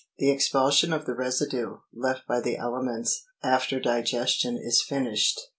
The expulsion of the residue, left by the aliments after digestion is finished.